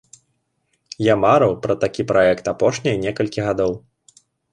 Я марыў пра такі праект апошнія некалькі гадоў.